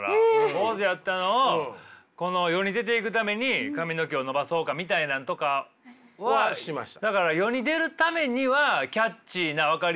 坊主やったのをこの世に出ていくために髪の毛を伸ばそうかみたいなのとかは。はしました。